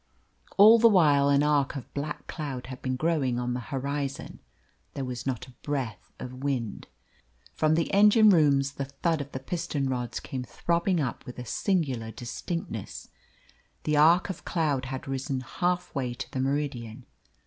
All the while an arc of black cloud had been growing on the horizon. There was not a breath of wind. From the engine rooms the thud of the piston rods came throbbing up with a singular distinctness. The arc of cloud had risen halfway to the meridian.